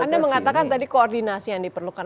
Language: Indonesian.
anda mengatakan tadi koordinasi yang diperlukan